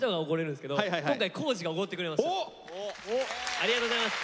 ありがとうございます。